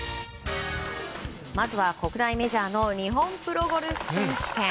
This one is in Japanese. まずは国内メジャーの日本プロゴルフ選手権。